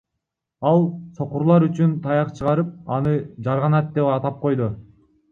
Ал сокурлар үчүн таяк чыгарып, аны Жарганат деп атап койду.